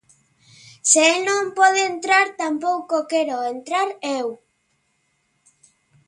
Se el non pode entrar, tampouco quero entrar eu.